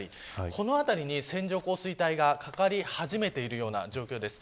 この辺りに線状降水帯がかかり始めている状況です。